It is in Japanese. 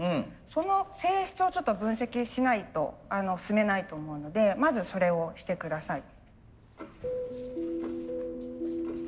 その性質をちょっと分析しないと進めないと思うのでまずそれをして下さい。